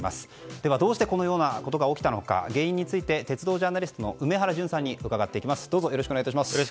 では、どうしてこのようなことが起きたのか原因について鉄道ジャーナリスト梅原淳さんに伺っていきます。